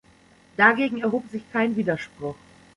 Dagegen erhob sich kein Widerspruch.